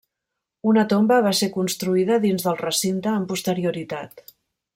Una tomba va ser construïda dins del recinte amb posterioritat.